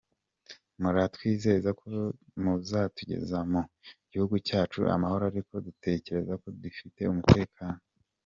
Muratwizeza ko muzatugeza mu gihugu cyacu amahoro ariko dutekereza ko kidafite umutekano.